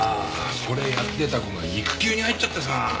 これやってた子が育休に入っちゃってさ。